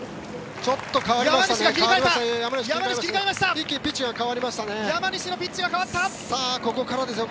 ちょっと変わりましたね。